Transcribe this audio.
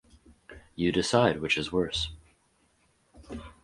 You decide, which is worse.